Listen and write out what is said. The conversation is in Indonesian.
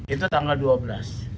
itu tanggal dua belas